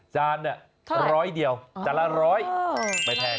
จานนี้๑๐๐เดียวแต่ละ๑๐๐ไม่แพง